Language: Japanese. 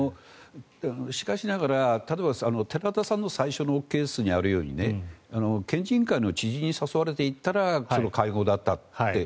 しかしながら、寺田さんの最初のケースにあるように県人会の知人に誘われていったら会合だったって。